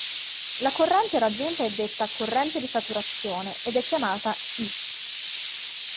La corrente raggiunta è detta "corrente di saturazione", ed è chiamata "I".